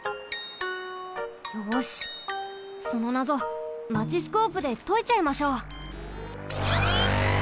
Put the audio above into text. よしそのなぞマチスコープでといちゃいましょう。